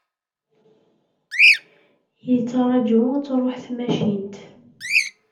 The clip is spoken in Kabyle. Yettraju ad truḥ tmacint.